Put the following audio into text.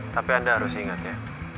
tapi anda harus ingat ya